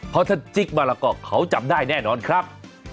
เพราะถ้าจิ๊กบารากอกเขาจำได้แน่นอนครับ